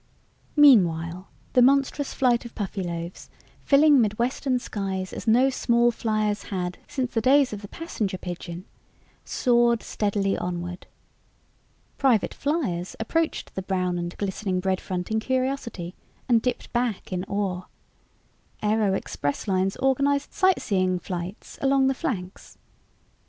Meanwhile, the monstrous flight of Puffyloaves, filling midwestern skies as no small fliers had since the days of the passenger pigeon, soared steadily onward. Private fliers approached the brown and glistening bread front in curiosity and dipped back in awe. Aero expresslines organized sightseeing flights along the flanks.